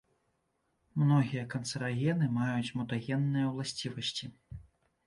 Многія канцэрагены маюць мутагенныя ўласцівасці.